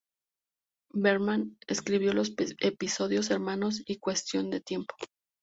Berman escribió los episodios "Hermanos" y "Cuestión de tiempo".